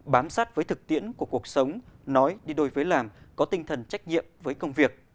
bám sát với thực tiễn của cuộc sống nói đi đôi với làm có tinh thần trách nhiệm với công việc